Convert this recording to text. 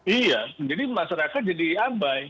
iya jadi masyarakat jadi abai